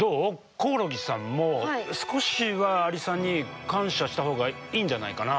コオロギさんも少しはアリさんに感謝したほうがいいんじゃないかな？